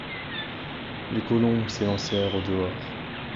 Les colons s’élancèrent au dehors.